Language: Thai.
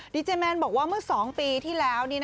ดีเจแมนบอกว่าเมื่อ๒ปีที่แล้ว